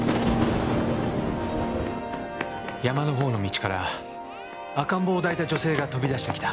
山のほうの道から赤ん坊を抱いた女性が飛び出してきた。